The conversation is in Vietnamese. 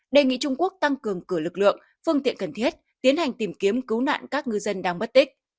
đề nghị trung quốc tăng cường cử lực lượng phương tiện cần thiết tiến hành tìm kiếm cứu nạn các ngư dân đang bất tích